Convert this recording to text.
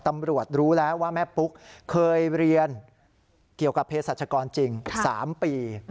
รู้แล้วว่าแม่ปุ๊กเคยเรียนเกี่ยวกับเพศรัชกรจริง๓ปี